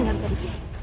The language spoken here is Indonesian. ini gak bisa dikira